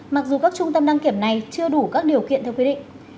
mặc dù các trung tâm đăng kiểm này chưa đủ các điều kiện theo quy định